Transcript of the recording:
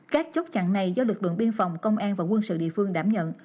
các chốt chặn này do lực lượng biên phòng công an và quân sự địa phương đảm nhận